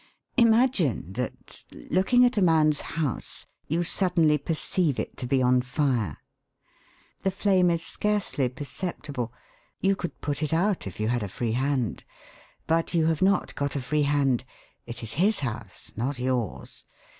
Imagine that, looking at a man's house, you suddenly perceive it to be on fire. The flame is scarcely perceptible. You could put it out if you had a free hand. But you have not got a free hand. It is his house, not yours.